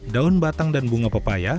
daun batang dan bunga pepaya